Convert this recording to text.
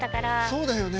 そうだよね。